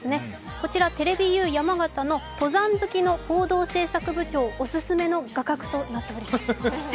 こちらはテレビユー山形の登山好きの報道制作部長オススメの画角となっております。